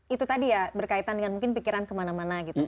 itu tadi ya berkaitan dengan mungkin pikiran kemana mana gitu